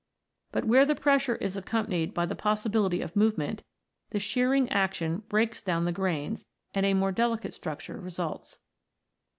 But where the pressure is accompanied by the possibility of movement, the shearing action breaks down the grains, and a more delicate structure results.